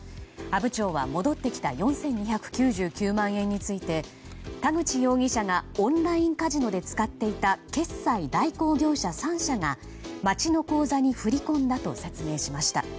阿武町は戻ってきた４２９９万円について田口容疑者がオンラインカジノで使っていた決済代行業者３社が町の口座に振り込んだと説明しました。